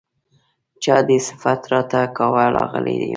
چا دې صفت راته کاوه راغلی يمه